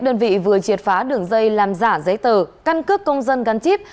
đơn vị vừa triệt phá đường dây làm giả giấy tờ căn cướp công dân gắn chíp